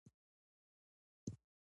هوا د افغانستان په هره برخه کې موندل کېږي.